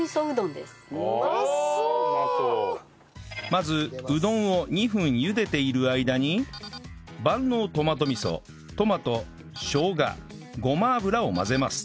まずうどんを２分ゆでている間に万能トマト味噌トマトしょうがごま油を混ぜます